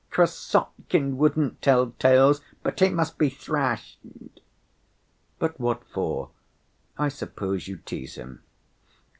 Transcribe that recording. Krassotkin wouldn't tell tales, but he must be thrashed." "But what for? I suppose you tease him."